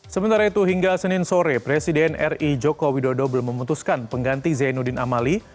sementara itu hingga senin sore presiden ri joko widodo belum memutuskan pengganti zainuddin amali